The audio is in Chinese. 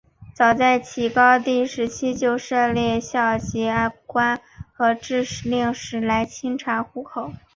早在齐高帝时期就设立校籍官和置令史来清查户籍。